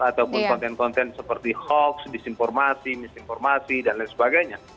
ataupun konten konten seperti hoax disinformasi misinformasi dan lain sebagainya